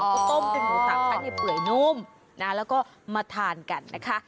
ก็ต้มจนหมูสามชั้นเปื่อยนุ่มนะแล้วก็มาทานกันนะคะ